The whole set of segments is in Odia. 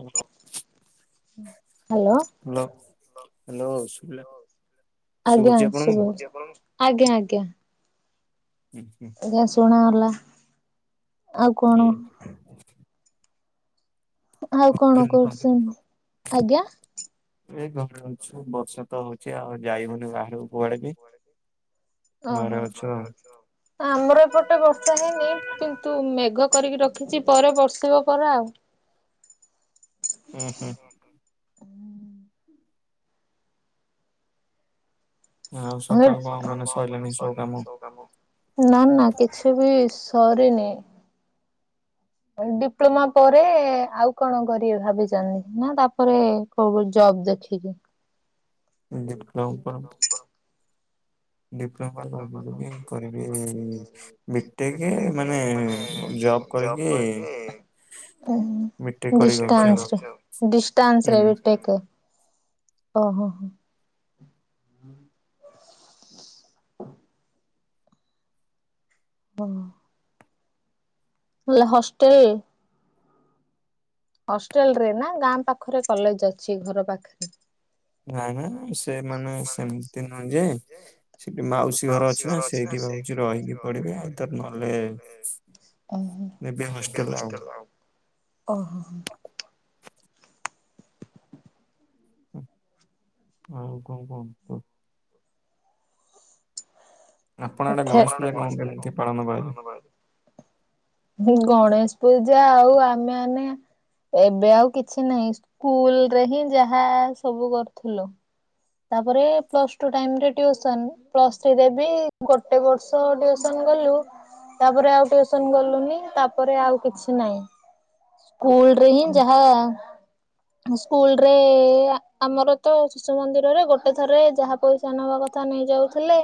କୋଉନ? ହାଲୋ। Hello hello. ଆଜ୍ଞା ଶୁଭୁଛି ଶୁଲୁ ଆଜ୍ଞା ଆଜ୍ଞା। ହୁ ହୁ। ଗ୍ୟା ଶୁଣାଗଲା। ଆଉ କଣ ଏ ଆଉ କଣ କରୁସନ୍ ଆଜ୍ଞା। ଏ ଘରେ ଅଛି ବର୍ଷା ତ ହଉଛି ଆଉ ଯାଇ ହଉନି ବାହାରକୁ କୁଆଡେ ବି। ଘରେ ଓହୋ ଅଛୁ ଆଉ। ଆମର ଏପଟେ ବର୍ଷା ହେଇନି। କିନ୍ତୁ ମେଘ କରିକି ରଖିଛି ପରେ ବର୍ଷିବ ପରେ ଆଉ। ଉ ହୁଁ। ହୁଁ। ସ କଣ ମାନେ ସରିଲାଣି ସବୁ କାମ [inaudible] ନା ନା କିଛି ବି ସରିନି। ଡିପ୍ଲୋମା ପରେ ଆଉ କଣ କରିବ ଭାବିଛନ୍ତି ନା ତାପରେ କୋଉ ଜବ୍ ଦେଖିକି ଦ କ [unintelligible] ଡିପ୍ଲୋମା [unintelligible] ବିଟେକ୍ ମାନେ ଜବ। ଜବ କରିକି ବିଟେକ୍ କରିବି ଭାବୁଛି ଆଉ। ଡିଷ୍ଟାନ୍ସ ରେ ହୁଁ ଡିଷ୍ଟାନ୍ସ ରେ ବିଟେକ୍। ଓହୋ ହୋ। ହୁଁ। ହେଲେ ହଷ୍ଟେଲ ହଷ୍ଟେଲ ରେ ନା ଗାଁ ପାଖରେ କଲେଜ ଅଛି ଘର ପାଖରେ। ନାଇ ନାଇ ସେମାନେେ ସେମିତି ନୁହେଁ ଯେ ସେଠି ମାଉସୀ ଘର ଅଛି ନା ସେଇଠି ଭାବୁଛି ରହିକି ପଢିବି ଆଇଦର ନହେଲେ ନେବି ହଷ୍ଟେଲ ଆଉ। ଓ ହୋ ହୋ। ଓ ଆଉ କଣ କରୁଚୁ? [unintelligible] ଗଣେଶ ପୂଜା କଣ କେମିତି ପାଳନ କରାଯାଏ? ଗଣେଶ ପୂଜା ଆଉ ଆମେ ମାନେ ଏବେ ଆଉ କିଛି ନାହିଁ ସ୍କୁଲ ରେ ହିଁ ଯାହା ସବୁ କରୁଥିଲୁ। ତାପରେ ପ୍ଲସ ଟୁ ଟାଇମରେ ଟିୟୁସନ୍। ପ୍ଲସ୍ ଥ୍ରୀରେ ବି ଗୋଟେ ବର୍ଷ ଟିୟୁସନ ଗଲୁ ତାପରେ ଆଉ ଟୁସନ ଗଲୁନି ତାପରେ ଆଉ କିଛି ନାଇଁ ସ୍କୁଲ ରେ ହିଁ ଯାହା ସ୍କୁଲରେ ଆମର ତ ଶିଶୁ ମନ୍ଦିର ରେ ଗୋଟେ ଥରେ ଯାହା ପଇସା ନବା କଥା ନେଇ ଯାଉଥିଲେ।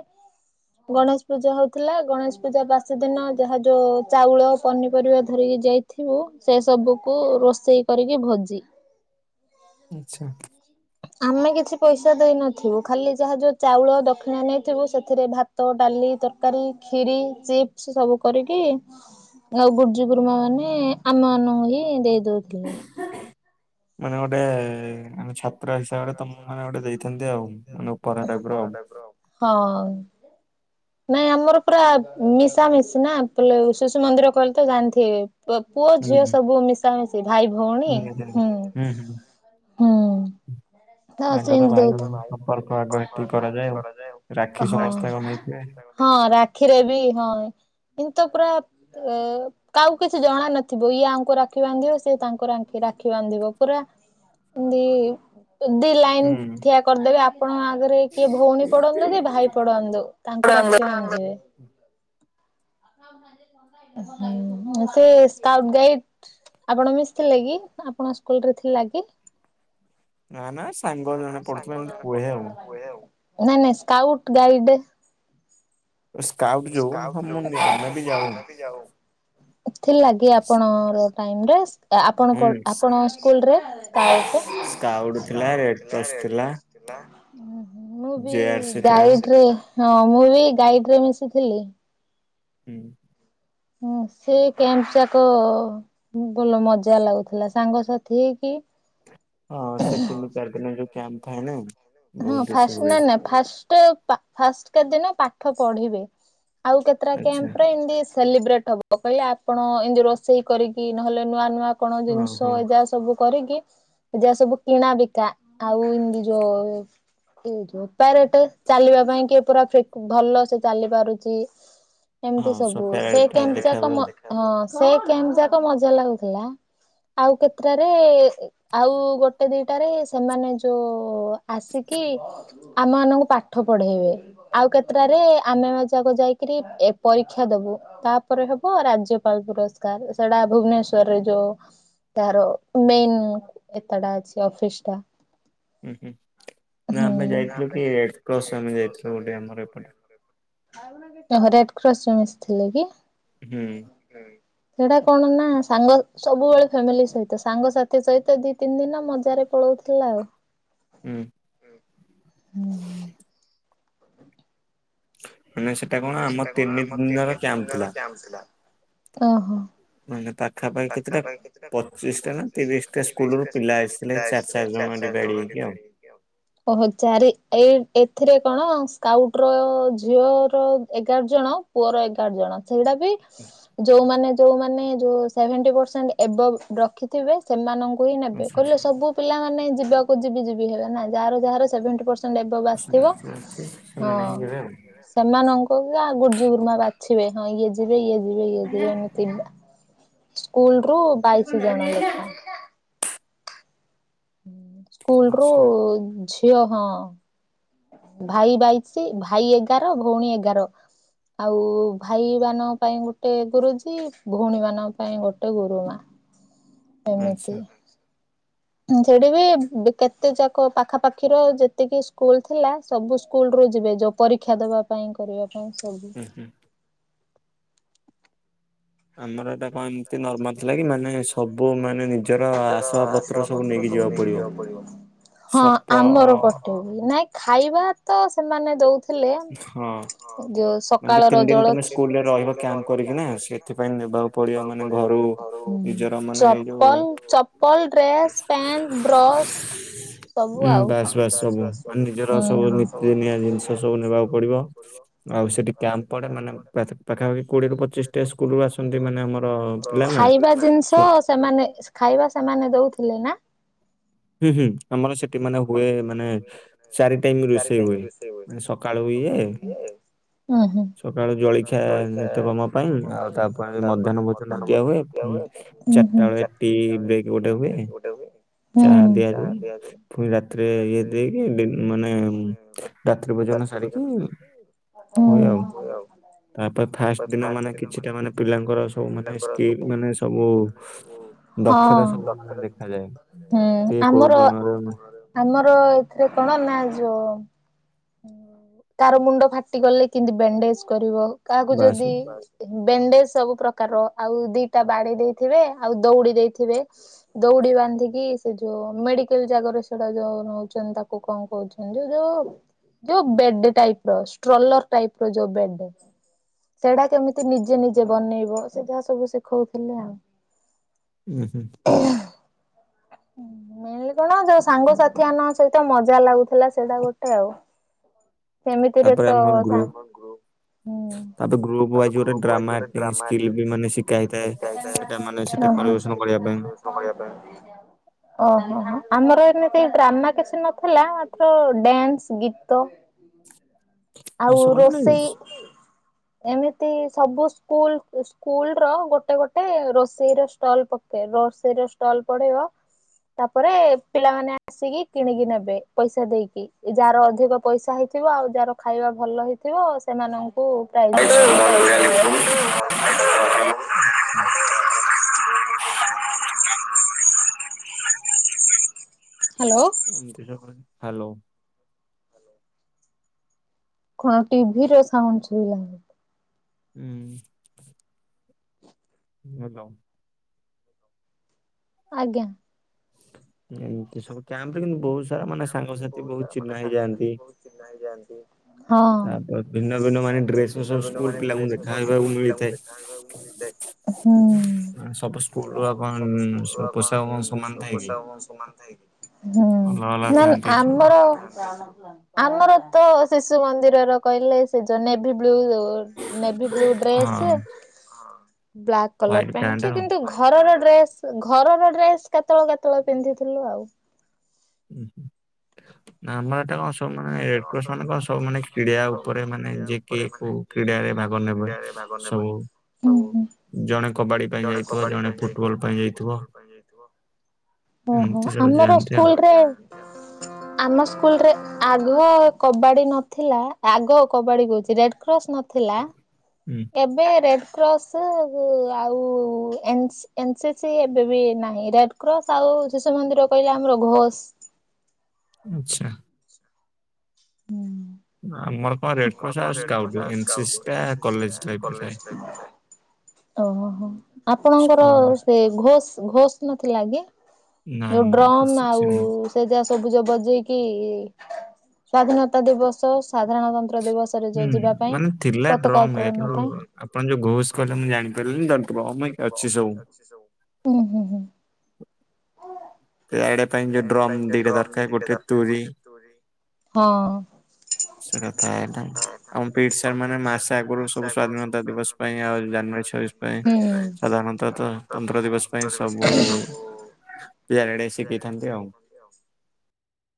ଗଣେଶ ପୂଜା ହଉଥିଲା ଗଣେଶ ପୂଜା ବାସି ଦିନ ଯାହା ଯୋଉ ଚାଉଳ ପନିପରିବା ଧରିକି ଯାଇ ଥିବୁ ସେ ସବୁକୁ ରୋଷେଇ କରିକି ଭୋଜି। ଆଚ୍ଛା। ଆମେ କିଛି ପଇସା ଦେଇନଥିବୁ ଖାଲି ଯାହା ଯେଉଁ ଚାଉଳ ଦକ୍ଷିଣା ନେଇଥିବୁ ସେଥିରେ ଭାତ ଡାଲି ତର ତରକାରୀ ଖିରି ଚିପ୍ସ ସବୁ କରିକି ଆଉ ଗୁରୁଜୀ ଗୁରୁମା ମାନେ ଆମମାନଙ୍କୁ ହିଁ ଦେଇ ଦଉଥିଲେ। ମାନେ ଗୋଟେ ଆମେ ଛାତ୍ର ହିସାବରେ ତମ ମାନେ ଗୋଟେ ଦେଇ ସେମିତି ଆଉ ମାନେ ଉପହାର ଟାଇପିର ଆଉ। ହଁ। ନାଇଁ ଆମର ପୁରା ମିଶା ମିଶି ନା ପିଲା ଶିଶୁ ମନ୍ଦିର କହିଲେ ତ ଜାଣିଥିବେ। ପୁଅ ହୁଁ ଝିଅ ହୁଁ ସବୁ ମିଶାମିଶି ଭାଇ ଭଉଣୀ ନିହାତି ନିହାତି। ହୁଁ। ହୁଁ ହୁଁ। ହୁଁ। ତ ଆଗ ସେନ୍ ଭାଇ ଭଉଣୀ ଦେଇ ସମ୍ପର୍କ ଆଗ ହେତିକି କରାଯାଏ ଆଉ। ରାକ୍ଷୀ ହଁ। ସମସ୍ତେ ଆଗ ନେଇଥିବେ। ହଁ ରାକ୍ଷୀରେ ବି ହଁ ଏନ୍ତି ତ ପୁରା ଅ କାହାକୁ କିଛି ଜଣା ନଥିବ ଇଏ ଆଙ୍କୁ ରାକ୍ଷୀ ବାନ୍ଧିବ ସିଏ ତାଙ୍କୁ ରା ରାକ୍ଷୀ ବାନ୍ଧିବ ପୁରା ନ୍ତି ଦିଲାଇନ ହୁଁ ଠିଆ କରିଦେବେ ଆପଣଙ୍କ ଆଗରେ କିଏ ଭଉଣୀ ପଡନ୍ତୁ କି ଭାଇ ପଡନ୍ତୁ ତାଙ୍କୁ ରାକ୍ଷୀ ବାନ୍ଧିବେ। ହୁଁ ସେ ସ୍କାଉଟ ଗାଇଡ। ଆପଣ ମିଶିିଥିଲେ କି ଆପଣଙ୍କ ସ୍କୁଲରେ ଥିଲା କି? ନା ନା ସେ ନା ନା ସାଙ୍ଗ ଜଣେ ପଢୁଥିଲା ମତେ କୁହେ ଆଉ। ଏ ସ୍କାଉ ସ୍କାଉଟ ଯୋଉ ମୁଁ [unintelligible] ଯାଉ ଏଥିର୍ ଲାଗି ଆପଣଙ୍କର ଟାଇମ୍ ଟା ଆପଣ ପ ହୁଁ ଆପଣଙ୍କ ସ୍କୁଲରେ ସ୍କାଉଟ ସ୍କାଉଟ ଥିଲା ରେଡ କ୍ରସ ଥିଲା ମୁଁ ବି ଜେ ଆର ସି ଥିଲା। ଗାଇଡରେ ହଁ ଗାଇଡରେ ମିଶିି ଥିଲି। ହୁଁ। ହଁ ସେଇ କ୍ୟାମ୍ପ ଯାକ ଭଲ ମଜା ଲାଗୁଥିଲା ସାଙ୍ଗସାଥି ହେଇକି ହଁ ସେ ତିନି ଚାରି ଦିନେରେ ଯୋଉ କ୍ୟାମ୍ପ ଥାଏ ନା ହଁ ବହୁତ ଫା କିଛି ହୁଏ। ନା ନା ଫାଷ୍ଟ ଫାଷ୍ଟ କେତେ ଦିନ ପାଠ ପଢିବେ। ଆଉ କେତେଟା ଆଚ୍ଛା କ୍ୟାମ୍ପରେ ଏମିତି ସେଲିବ୍ରେଟ ହବ। ମୁଁ କହିଲି ଆପଣ ଏନ୍ତି ରୋଷେଇ କରିକି ନହେଲେ ନୂଆ ନୂଆ କଣ ହଁ ଜିନିଷ ହଁ ଏ ଯା ସବୁ କରିକି ଯାହା ସବୁ କିଣା ବିକା ଆଉ ଏମତି ଯୋ ଜୋତାରେ ଟେ ଚାଲିବା ପାଇଁ କି ପୁରା ଫି ଭଲ ସେ ଚାଲିପାରୁଚି। ଏମତି ହଁ ସବୁ ସକାଳେ ସେ ଟା କ୍ୟାମ୍ପ ଦେଖା ଯାକ ହୁଏ ମ ଆଉ। ହଁ ସେ କ୍ୟାମ୍ପ ଯାକ ମଜା ଲାଗୁଥିଲା। ଆଉ କେତେଟାରେ ଆଉ ଗୋଟେ ଦିଟାରେ ସେମାନେ ଯୋଉ ଆସିକି ଆମ ମାନଙ୍କୁ ପାଠ ପଢେଇବେ। ଆଉ କେତେଟାରେ ଆମେ ଯାକ ଯାଇକିରି ଏ ପରୀକ୍ଷା ଦବୁ। ତାପରେ ହେବ ରାଜ୍ୟପାଳ ପୁରସ୍କାର ସେଟା ଭୁବନେଶ୍ଵରରେ ଯୋଉ ତାର ମେନ ଏତେଟା ଅଛି ଅଫିସ ଟା। ହୁଁ ହୁଁ ନା ହୁଁ। ଆମେ ଯାଇଥିଲୁ କି ରେଡକ୍ରସ ଆମେ ଯାଇଥିଲୁ ଗୋଟେ ଆମର ଏପଟେ ଓ ରେଡକ୍ରସରେ ମିଶିଥିଲେ କି? ହୁଁ। ହୁଁ। ସେଇଟା କଣ ନା ସାଙ୍ଗ ସବୁବେଳେ ଫ୍ୟାମିଲି ସହିତ ସାଙ୍ଗସାଥି ସହିତ ଦି ତିନିଦିନ ମଜାରେ ପଳଉଥି ଥିଲା ଆଉ। ହୁଁ। ହୁଁ। ମାନେ ସେ ମାନେ ସେଟା କଣ ଆମ ତିନି ଦିନର୍ୟାମ୍ପ ଥିଲା। ମାନେ ପାଖାପାଖି କେତେଟା ପଚିଶ ଟା ନା ତିରିଶ ଟା ସ୍କୁଲ ରୁ ପିଲା ଆସିଥିଲେ। ଆ ଚାର ଚାରି ଜଣ ଚାର ଡିଭାଇଡ ଜଣ ଯିବେ ହେଇକି ଆଉ। ଓହୋ ଚାରି ଏଇ ଏଥିରେ କଣ ସ୍କାଉଟ ର ଝିଅର ଏଗାର ଜଣ ପୁଅର ଏଗାର ଜଣ। ସେଇଟା ବି ଯୋଉମାନେ ଯୋଉମାନେ ଯୋଉ ସେଭେଣ୍ଟି ପରସେଣ୍ଟ ରଖି ଥିବେ ସେମାନଙ୍କୁ ହିଁ ନେବେ ଆଚ୍ଛା କହିଲେ ସବୁ ପିଲାମାନେ ଯିବାକୁ ଯିବି ଯିବି ହେବେ ନା ଯାହାର ଯାହାର ସେବେନଟି ପେରସେଣ୍ଟ ନେବାକୁ ସେଟା ଆସିଥିବ କିଛି ଅଛି, ସେମାନେ ହିଁ ଯିବେ ଆଉ। ହଁ। ସେମାନଙ୍କ ଗୁରୁଜି ଗୁରୁମା ବାଛିବେ ହଁ ଇଏ ଯିବେ ଇଏ ଯିବେ ଇଏ ହେଲା, ଯିବେ ଏମିତି। ସ୍କୁଲ ରୁ ଆଉ କଣ ବାଇଶି ନାହିଁ, ଜଣ ଯାଇନା? ଲେଖାଏ। ସ୍କୁଲ ରୁ ଆଚ୍ଛା ଝିଅ ହଁ। ଭାଇ ବାଇଶି ଭାଇ ଏଗାର ଭଉଣୀ ଏଗାର। ଆଉ ଭାଇ ମାନଙ୍କ ପାଇଁ ଗୋଟେ ଗୁରୁଜୀ ଭଉଣୀ ମାନଙ୍କ ପାଇଁ ଗୋଟେ ଗୁରୁମା। ଏମିତି ଆଚ୍ଛା। ସେଠି ବି କେତେ ଯାକ ପାଖାପାଖିର ଯେତିକି ସ୍କୁଲ ଥିଲା ସବୁ ସ୍କୁଲ ରୁ ଯିବେ ଯୋଉ। ପରୀକ୍ଷା ଦେବା ପାଇଁ କରିବା ପାଇଁ ସବ। ହୁଁ ହୁଁ। ଆମର ଏଟା ଏମତି ନର୍ମାଲ ଥିଲା କି ମାନେ ସବୁ ମାନେ ନିଜର ଆଶା ପତ୍ର ସବୁ ନେଇକି ଯିବାକୁ ପଡିବ। ହଁ ସପ ଆମର ହଁ ପଟୁ ନାଇଁ ଖାଇବା ତ ସେମାନେ ଦଉ ଥିଲେ ଯୋଉ ମାନେ ଯୋଉ ତିନି ସକାଳର ଦିନ ତମେ ଜଳଖିଆ ସ୍କୁଲରେ ରହିବ କ୍ୟାମ୍ପ କରିକି ନା ସେଥିପାଇଁ ପଡିବ ମାନେ ଘରୁ ନିଜର ମାନେ ଏଇ ଯୋଉ ଚପଲ ଚପଲ ଡ୍ରେସ ପେଣ୍ଟ ବ୍ରସ୍ ସବୁ ଉଁ ଆଉ। ବାସ୍ ବାସ୍ ସବୁ ମାନେ ନିଜର ସବୁ ନିୀତିଦିନିଆ ଜିନିଷ। ସବୁ ନେବାକୁ ପଡିବ ଆଉ ସେଠି କ୍ୟାମ୍ଡେ ମାନେ ପାଖାପାଖି କୋଡିଏରୁ ପଚିଶ ସ୍କୁଲ ରୁ ଆସନ୍ତି ମାନେ ଆମର ପିଲା ନା ଖାଇବା ଜିନିଷ ସେମାନେ ଖାଇବା ସେମାନେ ଦଉଥିଲେ ନା? ହୁଁ ହୁଁ ଆମର ସେଠି ମାନେ ହୁଏ ମାନେ ଚାରି ଟାଇମ ରୋଷେଇ ହୁଏ। ସକାଳୁ ଇଏ ଉଁ ହୁଁ ସକାଳୁ ଜଳଖିଆ ନିତ୍ୟକମ ପାଇଁ ଆଉ ତାପରେ ଧାନ ଭୋଜନ ଦିଆ ହୁଏ ଉଁ ଚାରିଟା ହୁଁ ବେଳେ ଟି ବ୍ରେକ୍ ଗୋଟେ ହୁଏ। ହୁଁ ଚାହା ଦିଆଯାଉ ପୁଣି ରାତିରେ ଇଏ ଦେଇକି ମାନେ ରାତ୍ରି ଭୋଜନ ସାରିକି ହୁଁ ହୁଏ ଆଉ। ତାପରେ ଫାଷ୍ଟ ଦିନ ମାନେ କିଛିଟା ମାନେ ପିଲାଙ୍କର ମାନେ ସ୍କିଲ ମାନେ ସବୁ ହଁ। ଦକ୍ଷତା ସବୁ ମାନେ ଦେଖାଯାଏ। ହୁଁ କିଏ କୋଉ ଆମର ଗୁଣରେ ଆମର ଏଥିରେ କଣ ନା ଯୋଉ ତାର ମୁଣ୍ଡ ଫାଟି ଗଲେ କେମତି ବଣ୍ଡେଜ କରିବ କାହାକୁ ବାସ୍ ଯଦି ବଣ୍ଡେଜ ସବୁ କାର ଆଉ ଦିଟା ବାଣି ଦେଇଥିବେ ଆଉ ଦଉଡି ଦେଇଥିବେ। ଦୌଡି ବାନ୍ଧିକି ସେ ଯୋଉ ମେଡିକାଲ ଜାଗାରେ ସେଟା ଯୋଉ ନଉଛନ୍ତି ତାକୁ କଣ କହୁଛନ୍ତି? ଯୋଉ ଯୋଉ ଯୋଉ ବେଡ ଟାଇପ ରଷ୍ଟ୍ରୋଲର ଟାଇପ ର ଯୋଉ ବେଡ ସେଟା କେମିତି ନିଜେ ନିଜେ ବନେଇବ ସେ ଯାହା ସବୁ ଶିଖଉଥିଲେ ଆଉ। ଉୁଁ ହୁଁ। [unintelligible] ମେନଲି କଣ ଯୋଉ ସାଙ୍ଗସାଥି ଆାନଙ୍କ ସହିତ ମଜା ଲାଗୁଥିଲା ସେଇଟା ଗୋଟେ ଆଉ। ସେମିତିରେ ତାପରେ ତ ଆମ ଗୃହ ସାଙ୍ଗକୁ ତାପରେ ଗ୍ରୁପ ୱାଇଜ୍ ଗୋଟେ ଡ୍ରାମା ସ୍କିଲ୍ଲ ବି ମାନେ ଶିଖାଇଥାଏ। ସେଟା ମାନେ ସେଠି ପରିବେଷଣ କରିବା ପାଇଁ। ପାଇଁ ଓହୋ ହୋ ଆମର ଏମିତି ଡ୍ରାମା କିଛି ନଥିଲା ମାତ୍ର ଡ୍ୟାନ୍ସ ଗୀତ ଆଉ ସବୁ ମାନେ ଏମିତି ରୋଷେଇ? ଏମିତି ସବୁ ସ୍କୁଲ ସ୍କୁଲ ର ଗୋଟେ ଗୋଟେ ରୋଷେଇ ର ଷ୍ଟଲ ପକେଇ ରୋଷେଇର ଷ୍ଟଲ୍ ପଡିବ। ତାପରେ ପିଲାମାନେ ଆସିକି କିଣିକି ନେବେ ପଇସା ଦେଇକି ଯାହାର ଅଧିକ ପଇସା ହେଇ ଥିବ ଆଉ ଯାହାର ଖାଇବା ଭଲ ହେଇଥିବ ସେମାନଙ୍କୁ ପ୍ରାଇଜ ମିଳିବ। [unintelligible] ହ୍ୟାଲୋ। ହ୍ୟାଲୋ। କଣ ଟିଭି ର ସାଉଣ୍ଡ ଶୁଭିଲାଣି। ହୁଁ ହ୍ୟାଲୋ ଆଜ୍ଞା। ଏମିତି ସବୁ କ୍ୟାମ୍ପରେ କିନ୍ତୁ ବହୁତ ଏମିତି ସାରା ସବୁ ମାନେ [unintelligible] ସାଙ୍ଗସାଥି ବହୁତ ସାରା ମାନେ ଚିହ୍ନା ହେଇଯାଆନ୍ତି। ସାଙ୍ଗସାଥି ବହୁତ ଚିହ୍ନା ହେଇଯାଆନ୍ତି। ହଁ ତାପରେ ଭିନ୍ନ ଭିନ୍ନ ମାନେ ତାପରେ ଡ୍ରେସ ଭିନ୍ନ ସବୁ ଭିନ୍ନ ସ୍କୁଲ ମାନ ପିଲାଙ୍କୁ ଡ୍ରେସରେ ଦେଖା ହେବାକୁ ସ୍କୁଲ ପିଲାଙ୍କୁ ମିଳିଥାଏ। ଦେଖା ହେବାକୁ ମିଳିଥାଏ। ସବୁ ସ୍କୁଲ ର କଣ ହୁଁ ସବୁ ସ୍କୁଲର ପୋଷାକ ସମାନ କଣ ଥାଏ କି? ପୋଷାକ ସମାନ ଥାଏକି ହୁଁ ଅଲଗା ଅଲଗା ନା ଥାନ୍ତି ସବୁ ଆମର। ଆମର ତ ଶିଶୁ ମନ୍ଦିରର କହିଲେ ସେ ଯୋ navy blue. Navy blue dress ହଁ black colour white pant pant କିନ୍ତୁ ଆଉ ଘରର ଡ୍ରେସ ଘରର ଡ୍ରେସ କେତେବେଳେ କେତେବେଳେ ପିନ୍ଧିଥିଲୁ ଆଉ। ହୁଁ ହୁଁ ଆମର ଏଟା କଣ। ସବୁ ମାନେ ରେଡ କସ୍ କଣ ସବୁ ମାନେ କ୍ରୀିଡ଼ା ଉପରେ ମାନେ ଯେ କିଏ କୋଉ କ୍ରୀଡାରେ ଭାଗ ନେବେ। ଭାଗନେବେ ସବୁ ହୁଁ ହୁଁ। ଜଣେ କବାଡି ପାଇଁ ଯାଇଥିବ ଜଣେ ଫୁଟବଲ ପାଇଁ ଯାଇଥିବ। ପାଇଁ ଯାଇଥିବ। ଓହୋ ଏମିତି ସବୁ ଆମର ଯାଆନ୍ତି ଆଉ ସ୍କୁଲରେ ଆମ ସ୍କୁଲରେ ଆଗ କବାଡି ନଥିଲା ଆଗ କବାଡି କହୁଛି ରେଡ କ୍ରସ୍ ନଥିଲା। ହୁଁ ଏବେ ରେଡ କ୍ରସ୍ ଆଉ ଏନ୍ ଏନସି ସି ଏବେ ବି ନାହିଁ ରେଡ କ୍ରସ୍ ଆଉ ଶିଶୁ ମନ୍ଦିର କହିଲେ ଆମର ଘୋଷ ଆଛା। ହୁଁ ଆମର କଣ ରେଡ୍ କ୍ରସ୍ ଆଉ ସ୍କାଉଡ୍ ଏନସିସି ଟା କଲେଜ ଟାଇମ୍ ରେ ଥାଏ। ଓହୋ ଆପଣଙ୍କର ସ୍କୁଲ ସେ ଘୋଷ ଘୋଷ ନଥିଲା କି? ନା ଯୋଉ ନା ଡ୍ରମ କିଛି ଆଉ ସେମି ତ ଯ ସବୁଜ ବଜେଇକି ସ୍ଵାଧୀନତା ଦିବସ ସାଧାରଣତନ୍ତ୍ର ଦିବସରେ। ହୁଁ ଯୋଉ ଯିବା ପାଇଁ ମାନେ ଥିଲା ପତାକା ଡ୍ରମ୍ ଇଏ ଉତ୍ତୋଳନ କିନ୍ତୁ ପାଇଁ ଆପଣ ଯୋଉ ଘୋଷ କହିଲେ ମୁଁ ଜାଣିପାରିଲିନି ତ ଡ୍ରମ୍ ଅଛି ସବୁ। ଅଛି ସବୁ। ହୁଁ ହୁଁ ହୁଁ ରାଇଡ ପାଇଁ ଯୋଉ ପ୍ୟାରେଡ୍ ଡ୍ରମ୍ ପାଇଁ ଯଉ ଦିଟା ଡ୍ରମ୍ ଦରକାର ଦିଇଟା ଗୋଟେ ଦରକାର ତୁରୀ ଗୋଟେ ତୁରି ହଁ। ସେଟା ଥାଏ ନା ଆମ ପିଟ୍ ସାର୍ ମାନେ ମାସେ ଆଗରୁ ସବୁ ସ୍ଵାଧୀନତା ଦିବସ ପାଇଁ ଆଉ ଜାନୁଆାରୀ ଛବିଶ ପାଇଁ ହୁଁ। ସାଧାରଣତଃ ତ- ତନ୍ତ୍ର ଦିବସ ପାଇଁ ସବୁ ପ୍ୟାରେଡ୍ ଶିଖେଇଥାନ୍ତି ଆଉ। [unintelligible]